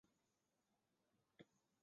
官至霍州刺史。